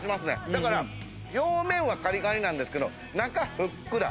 だから表面はカリカリなんですけど中ふっくら。